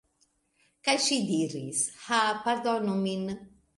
Kaj ŝi diris: "Ha, pardonu min."